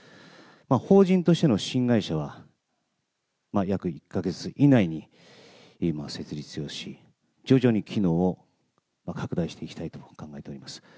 法人としての新会社は、約１か月以内に設立をし、徐々に機能を拡大していきたいと考えております。